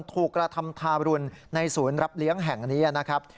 กระทำทาบรุณในศูนย์รับเลี้ยงแห่งนี้นะครับ